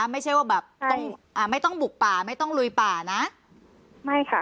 ไม่ใช่ว่าแบบต้องอ่าไม่ต้องบุกป่าไม่ต้องลุยป่านะไม่ค่ะ